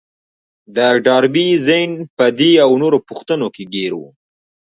د ډاربي ذهن په دې او نورو پوښتنو کې ګير و.